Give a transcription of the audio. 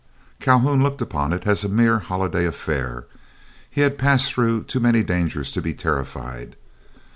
Calhoun looked upon it as a mere holiday affair; he had passed through too many dangers to be terrified.